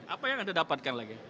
apa yang anda dapatkan lagi